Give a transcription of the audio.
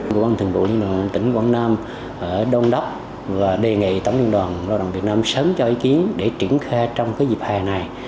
cơ sở mầm non của quân thường đội tỉnh quảng nam ở đông đốc và đề nghị tổng liên đoàn lao động việt nam sớm cho ý kiến để triển khai trong dịp hè này